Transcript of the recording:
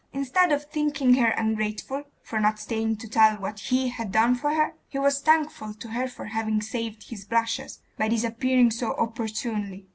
Instead of thinking her ungrateful for not staying to tell what he had done for her, he was thankful to her for having saved his blushes, by disappearing so opportunely....